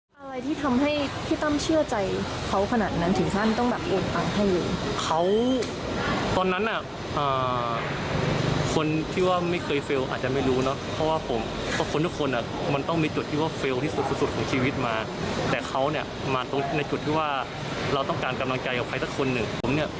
ค่อนข้างที่จะเช็คมนุษย์เนี่ยละเอียดกันนะแต่คือบางครั้งเนี่ย